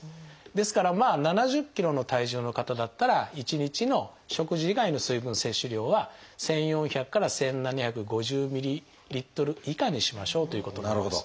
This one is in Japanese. ですから７０ｋｇの体重の方だったら１日の食事以外の水分摂取量は１，４００から１，７５０ｍＬ以下にしましょうということになります。